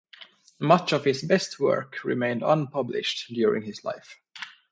Much of his best work remained unpublished during his life.